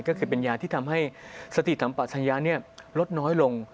ก็คือเป็นยาที่ทำให้สติธรรมประชาญนี้ลดน้อยลง